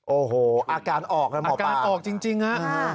โอ้โหอาการออกนะหมอปลาอาการออกจริงครับ